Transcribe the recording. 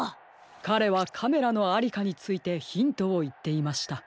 かれはカメラのありかについてヒントをいっていました。